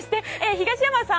東山さん